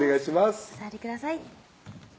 お座りください